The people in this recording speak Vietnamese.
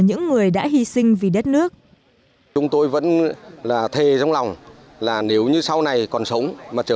những người đã hy sinh vì đất nước chúng tôi vẫn là thề trong lòng là nếu như sau này còn sống mà trở